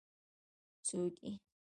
څوک يې؟